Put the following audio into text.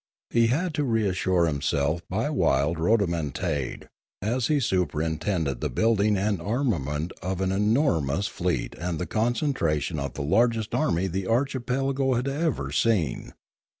He had to reassure himself by wild rhodomontade, as he superin tended the building and armament of an enormous fleet and the concentration of the largest army the archipelago had ever seen.